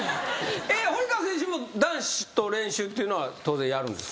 堀川選手も男子と練習っていうのは当然やるんですか？